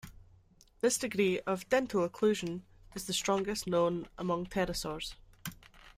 This degree of "dental occlusion" is the strongest known among pterosaurs.